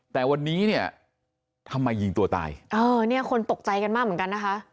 แต่วันนี้เนี่ยทำไมยิงตัวตายเออเนี่ยคนตกใจกันมากเหมือนกันนะคะ